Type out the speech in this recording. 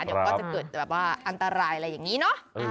เดี๋ยวก็จะเกิดแบบว่าอันตรายอะไรอย่างนี้เนอะ